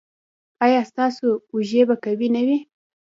ایا ستاسو اوږې به قوي نه وي؟